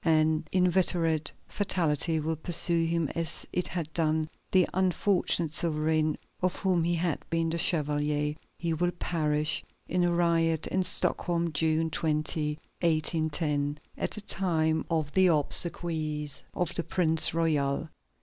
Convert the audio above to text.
An inveterate fatality will pursue him as it had done the unfortunate sovereign of whom he had been the chevalier. He will perish in a riot at Stockholm, June 20, 1810, at the time of the obsequies of the Prince Royal.